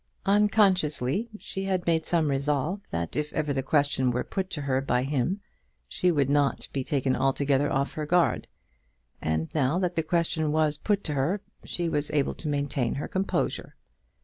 Unconsciously she had made some resolve that if ever the question were put to her by him, she would not be taken altogether off her guard; and now that the question was put to her, she was able to maintain her composure.